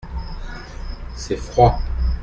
C’est froid.